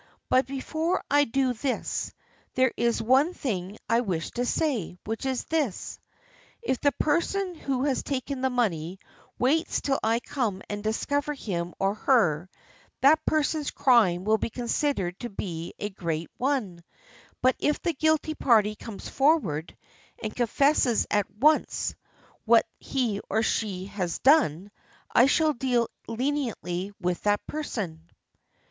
But before I do this, there is one thing I wish to say, which is this: — If the person who has taken the money waits till I come and discover him or her, that person's crime will be considered to be a great one; but if the guilty party comes forward and confesses at once what he or she has done, I shall deal leniently with that person."